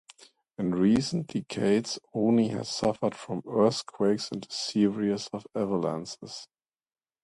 In recent decades Oni has suffered from earthquakes and a series of avalanches.